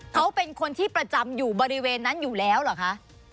เขาเป็นคนที่ประจำอยู่บริเวณนั้นอยู่แล้วเหรอคะ